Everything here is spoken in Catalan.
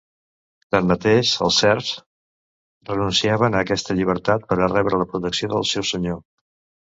Tanmateix, els serfs renunciaven a aquesta llibertat per a rebre la protecció del seu senyor.